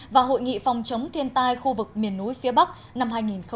và hội nghị phòng chống thiên tai khu vực miền núi phía bắc năm hai nghìn một mươi chín